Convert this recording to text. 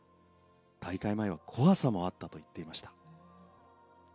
大会前は怖さもあったと言っていました。